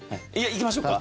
行きましょうか。